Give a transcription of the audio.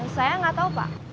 saya gak tahu pak